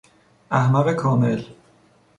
احمق کامل